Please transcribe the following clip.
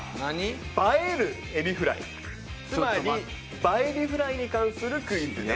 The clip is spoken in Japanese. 映えるエビフライつまり映エビフライに関するクイズです。